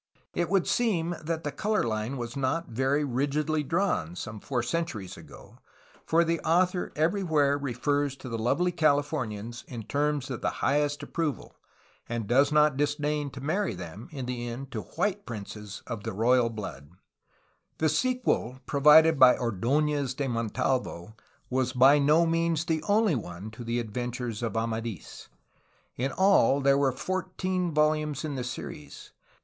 It would seem that the color Hne was not very rigidly drawn, some four centuries ago, for the author everywhere refers to the lovely Californians in terms of the highest ap proval, and does not disdain to marry them in the end to white princes of the blood royal. The sequel provided by Ord6nez de Montalvo was by no means the only one to the adventures of Amadls. In all there were fourteen volumes in the series.